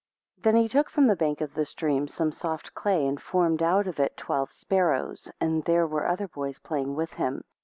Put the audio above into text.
4 Then he took from the bank of the stream some soft clay, and formed out of it twelve sparrows; and there were other boys playing with him.